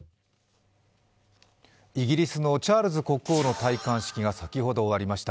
イギリスのチャールズ国王の戴冠式が、先ほど終わりました。